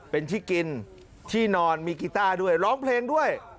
เป็นที่กินที่นอนมีกีต้าด้วยร้องเพลงด้วย